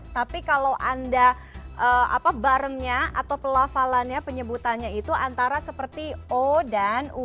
tapi kalau anda baremnya atau pelafalannya penyebutannya itu antara seperti o dan u